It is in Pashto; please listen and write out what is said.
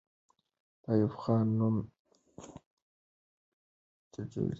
د ایوب خان نوم تر ډېرو ځلانده ښکاري.